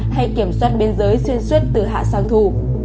hay kiểm soát biên giới xuyên suốt từ hạ sang thù